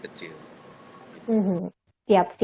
kemungkinan untuk tertularnya kan jadi kecil